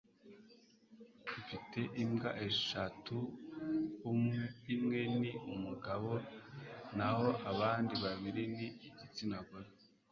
mfite imbwa eshatu umwe ni umugabo naho abandi babiri ni igitsina gore